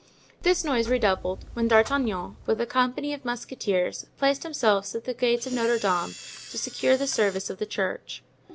This noise redoubled when D'Artagnan, with a company of musketeers, placed himself at the gates of Notre Dame to secure the service of the church.